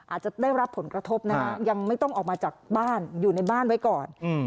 อาจจะได้รับผลกระทบนะฮะยังไม่ต้องออกมาจากบ้านอยู่ในบ้านไว้ก่อน